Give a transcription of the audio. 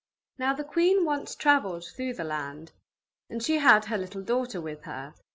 Now the queen once travelled through the land, and she had her little daughter with her.